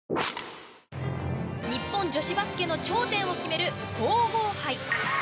日本女子バスケの頂点を決める皇后杯。